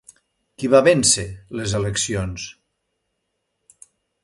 Qui va vèncer les eleccions?